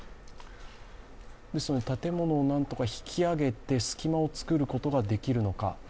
建物をなんとか引き上げて隙間を作ることができるのか。